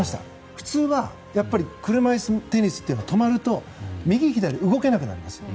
普通は、車いすテニスは止まると右左、動けなくなります。